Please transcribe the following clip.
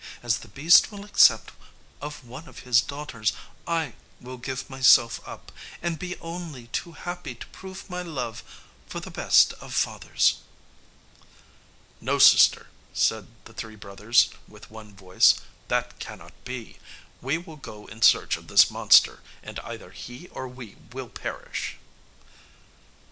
As the beast will accept of one of his daughters, I will give myself up, and be only too happy to prove my love for the best of fathers." "No, sister," said the three brothers, with one voice, "that cannot be; we will go in search of this monster, and either he or we will perish."